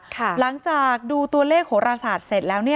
หลังจากดูตัวเลขโหรศาสตร์เสร็จแล้ว